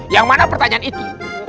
yang mana pertanyaan itu